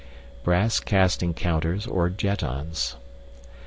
Brass Casting Counters or Jettons.